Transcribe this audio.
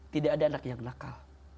tidak ada anak yang nakal